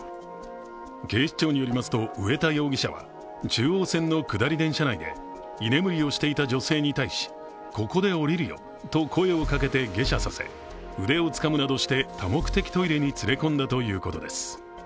警視庁によりますと上田容疑者は、中央線の下り電車内で居眠りをしていた女性に対し、ここで降りるよと声をかけて、下車させ、腕をつかむなどして多目的トイレに連れ込んだということです。